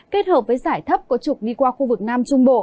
kết hợp với giải thấp có trục đi qua khu vực nam trung bộ